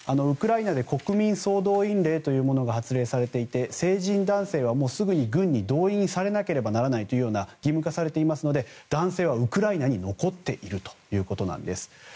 ウクライナで国民総動員令が発令されていて成人男性はすぐに軍に動員されなければならないと義務化されていますので男性はウクライナに残っているということなんです。